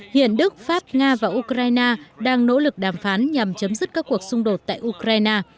hiện đức pháp nga và ukraine đang nỗ lực đàm phán nhằm chấm dứt các cuộc xung đột tại ukraine